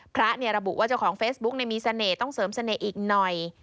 ระบุว่าเจ้าของเฟซบุ๊กมีเสน่ห์ต้องเสริมเสน่ห์อีกหน่อย